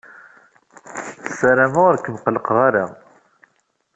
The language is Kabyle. Ssarameɣ ur kem-qellqeɣ ara.